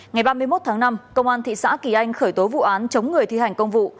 ngày ba mươi một tháng năm công an thị xã kỳ anh khởi tố vụ án chống người thi hành công vụ